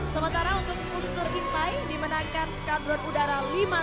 sementara untuk unsur impai dimenangkan skadron udara lima satu